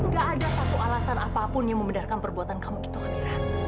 gak ada satu alasan apapun yang membedarkan perbuatan kamu gitu amira